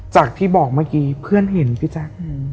จากที่บอกเมื่อกี้เพื่อนเห็นพี่แจ๊ค